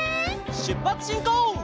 しゅっぱつしんこう！